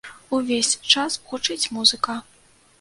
Увесь час гучыць музыка.